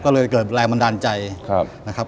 ก็เลยเกิดแรงบันดาลใจนะครับ